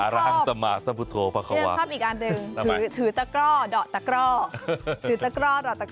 นี่ฉันชอบอีกอันหนึ่งถือตะกร่อดอกตะกร่อ